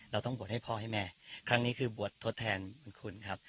เราต้องบวชให้พ่อให้แม่ครั้งนี้คือบวชทดแทนบุญคุณครับ